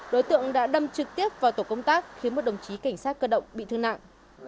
đối tượng đã đâm trực tiếp vào tổ công tác khiến một đồng chí cảnh sát cơ động bị thương nặng